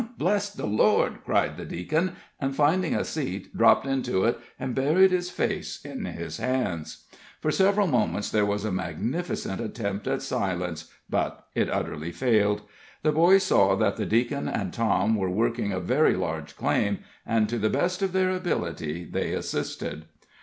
Bless the Lord!" cried the deacon, and finding a seat, dropped into it, and buried his face in his hands. For several moments there was a magnificent attempt at silence, but it utterly failed. The boys saw that the deacon and Tom were working a very large claim, and to the best of their ability they assisted.